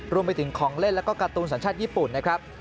รวมไปถึงของเล่นแล้วก็การ์ตูนสัญชาติญี่ปุ่นนะครับ